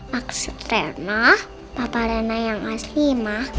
maksud rena papa rena yang asli ma